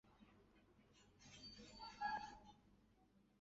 饰带上是拉丁文的利玛窦宿舍格言。